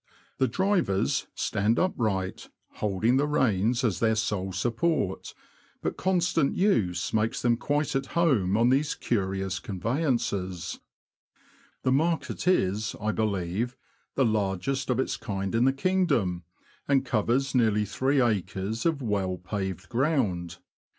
The drivers stand upright, holding the reins as their sole support ; but constant use makes them quite at home on these curious conveyances. NORWICH TO YARMOUTH. 101 The market is, I believe, the largest of its kind in the kingdom, and covers nearly three acres of well paved ground.